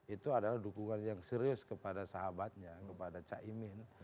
itu adalah dukungan yang serius kepada sahabatnya kepada caimin